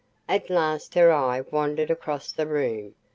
At last her eye wandered across the room.